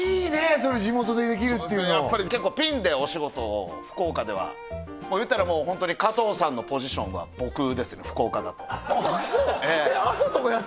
それ地元でできるっていうの結構ピンでお仕事を福岡では言ったらホントに加藤さんのポジションは僕ですよね福岡だったらあっ